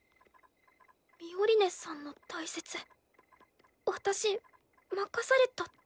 ミオリネさんの大切私任されたって。